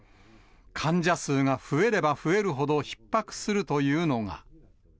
患者数が増えれば増えるほどひっ迫するというのが。